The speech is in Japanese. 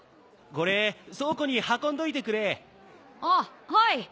これ倉庫に運んどいてくれ。あっはい。